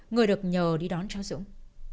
người được nhờ đi đón chó dũng